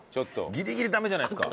ギリギリダメじゃないですか。